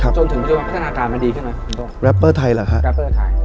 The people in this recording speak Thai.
ครับจนถึงวงการพัฒนาการมันดีขึ้นไหมรับเบอร์ไทยเหรอฮะรับเบอร์ไทย